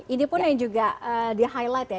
ini pun yang juga di highlight ya